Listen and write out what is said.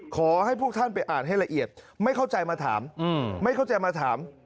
ขอให้พวกท่านไปอ่านให้ละเอียดไม่เข้าใจมาถาม